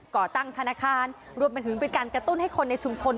ก่อตั้งธนาคารรวมไปถึงเป็นการกระตุ้นให้คนในชุมชน